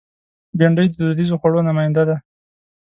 بېنډۍ د دودیزو خوړو نماینده ده